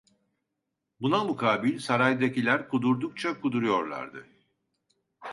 Buna mukabil saraydakiler, kudurdukça kuduruyorlardı.